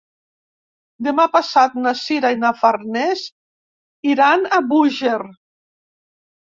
Demà passat na Sira i na Farners iran a Búger.